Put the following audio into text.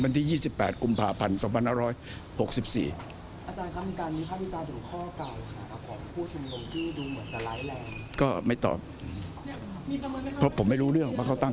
อาจารย์คำกันพระพิจารณ์ดูข้อเก่าค่ะของผู้ชมลงที่ดูเหมือนจะไร้แรง